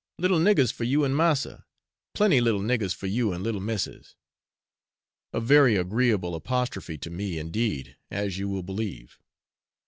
little niggers for you and massa, plenty little niggers for you and little missis!' A very agreeable apostrophe to me indeed, as you will believe.